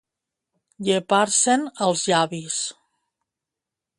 Llepar-se'n els llavis.